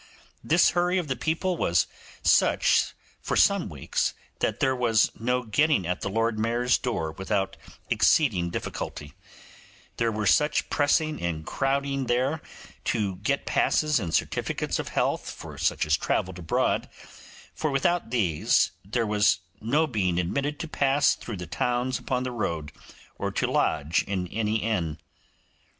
This hurry of the people was such for some weeks that there was no getting at the Lord Mayor's door without exceeding difficulty; there were such pressing and crowding there to get passes and certificates of health for such as travelled abroad, for without these there was no being admitted to pass through the towns upon the road, or to lodge in any inn.